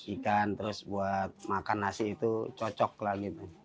ikan terus buat makan nasi itu cocok lah gitu